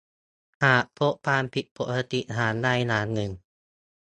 หากพบความผิดปกติอย่างใดอย่างหนึ่ง